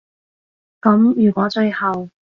噉如果最後